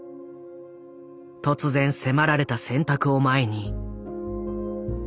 突然迫られた選択を前に。